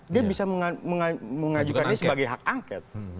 dia bisa mengajukan ini sebagai hak angket